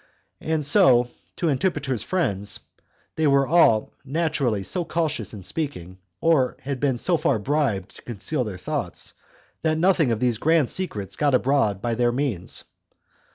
And as to Antipater's friends, they were all either naturally so cautious in speaking, or had been so far bribed to conceal their thoughts, that nothing of these grand secrets got abroad by their means.